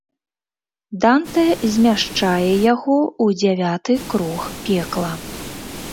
Дантэ змяшчае яго ў дзявяты круг пекла.